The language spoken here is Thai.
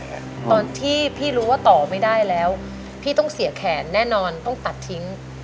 ตอนที่พี่รู้ว่าต่อไม่ได้แล้วพี่ต้องเสียแขนแน่นอนต้องตัดทิ้ง